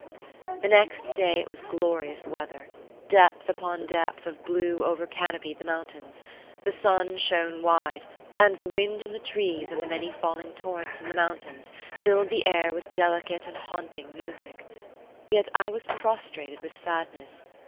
The next day it was glorious weather; depth upon depth of blue over canopied the mountains; the sun shone wide; and the wind in the trees and the many falling torrents in the mountains filled the air with delicate and haunting music. Yet I was prostrated with sadness.